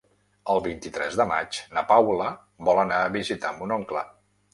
El vint-i-tres de maig na Paula vol anar a visitar mon oncle.